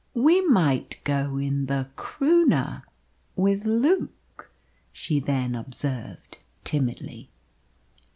"We might go in the Croonah with Luke," she then observed timidly.